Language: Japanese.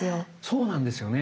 そうなんですよね。